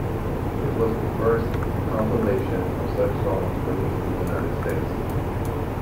It was the first compilation of such songs released in the United States.